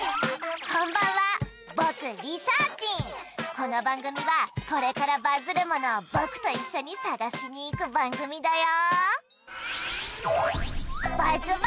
この番組はこれからバズるものをぼくと一緒に探しに行く番組だよ